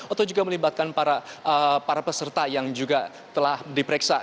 atau juga melibatkan para peserta yang juga telah diperiksa